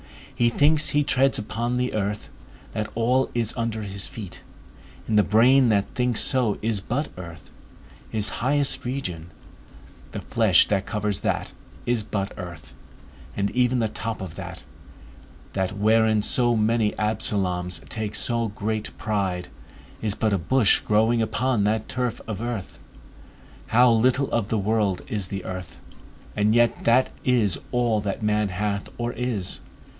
He thinks he treads upon the earth, that all is under his feet, and the brain that thinks so is but earth; his highest region, the flesh that covers that, is but earth, and even the top of that, that wherein so many Absaloms take so much pride, is but a bush growing upon that turf of earth. How little of the world is the earth! And yet that is all that man hath or is.